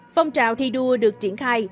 phong trào thi đua được triển khai